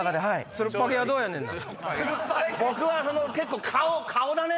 つるっぱげはどうやねんな？